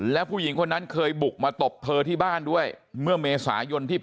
แล้วผู้หญิงคนนั้นเคยบุกมาตบเธอที่บ้านด้วยเมื่อเมษายนที่